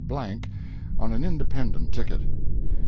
Blank on an independent ticket.